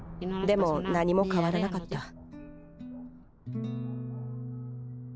でも何も変わらなかった。